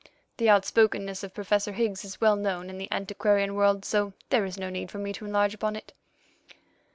The outspokenness of Professor Higgs is well known in the antiquarian world, so there is no need for me to enlarge upon it.